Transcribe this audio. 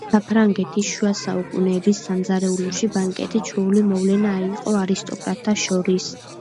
საფრანგეთის შუასაუკუნეების სამზარეულოში ბანკეტი ჩვეული მოვლენა იყო არისტოკრატთა შორის.